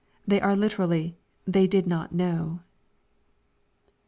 They are literally, " they did EiQt know."